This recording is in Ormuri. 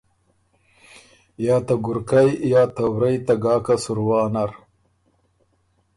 یا ته ګُرکئ یا ته ورئ ته ګاکه سُروا نر۔